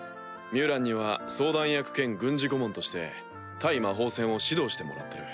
ミュウランには相談役兼軍事顧問として対魔法戦を指導してもらってる。